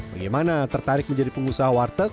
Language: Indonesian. bagaimana tertarik menjadi pengusaha warteg